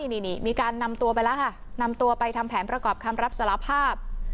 นี่มีการนำตัวไปแล้วค่ะนำตัวไปทำแผนประกอบคำรับสารภาพ